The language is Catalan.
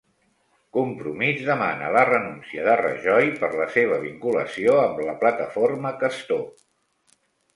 Compromís demana la renúncia de Rajoy per la seva vinculació amb la plataforma Castor